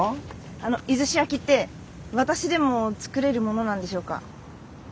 あの出石焼って私でも作れるものなんでしょうか？